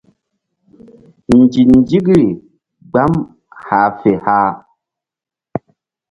Nzinzikri gbam hah fe hah.